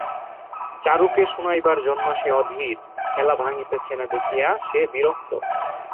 চারুকে শুনাইবার জন্য সে অধীর, খেলা ভাঙিতেছে না দেখিয়া সে বিরক্ত।